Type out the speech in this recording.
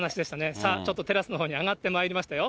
さあ、ちょっとテラスのほうに上がってまいりましたよ。